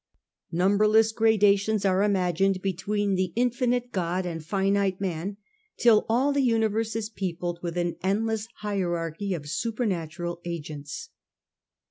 Numberless gradations are imagined between the infinite God and finite man, till all the universe is peopled with an endless hierarchy of supernatural agents.